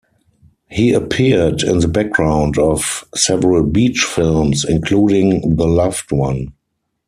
He appeared in the background of several beach films, including The Loved One.